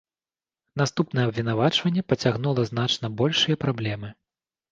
Наступнае абвінавачванне пацягнула значна большыя праблемы.